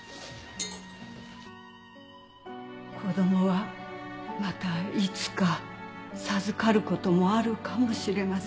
子供はまたいつか授かることもあるかもしれません。